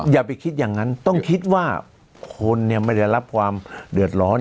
อย่าไปคิดอย่างนั้นต้องคิดว่าคนไม่ได้รับความเดือดร้อน